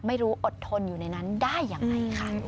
ไม่รู้อดทนอยู่ในนั้นได้อย่างไรคะ